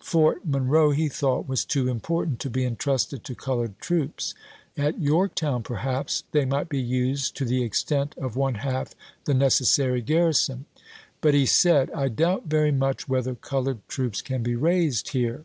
Fort Mon roe, he thought, was too important to be intrusted to colored troops; at Yorktown, perhaps, they might be used to the extent of one half the neces sary garrison. But he said :" I doubt very much whether colored troops can be raised here.